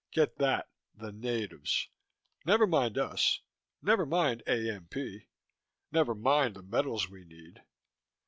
Get that: the natives. Never mind us, never mind AMP, never mind the metals we need.